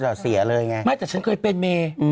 ก็เลยเสียเลยไงแหม่จะเคยเป็นเม